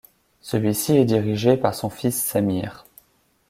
Celui-ci est dirigé par son fils Samir.